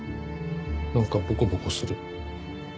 なんかボコボコする。